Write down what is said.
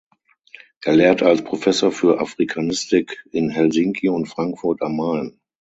Er lehrt als Professor für Afrikanistik in Helsinki und Frankfurt am Main.